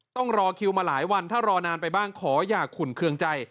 ต้องรอคิวมาหลายวันถ้ารอนานไปบ้างขออย่าขุ่นเครื่องใจ